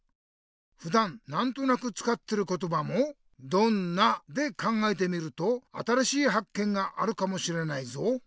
ふだんなんとなくつかってることばも「どんな？」で考えてみると新しいはっけんがあるかもしれないぞ。